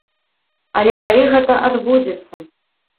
Але калі гэта адбудзецца?